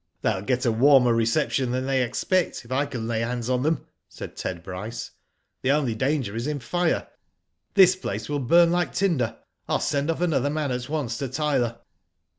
"They'll get a warmer reception than they expect, if I can lay hands on them," said Ted Bryce. "The only danger is in fire. This place will burn like tinder. I'll send off another man at once to Tyler."